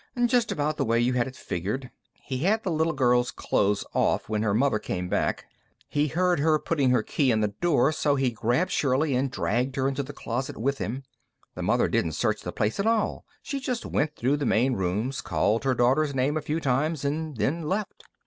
"Just about the way you had it figured. He had the little girl's clothes off when her mother came back. He heard her putting her key in the door, so he grabbed Shirley and dragged her into the closet with him. The mother didn't search the place at all; she just went through the main rooms, called her daughter's name a few times and then left."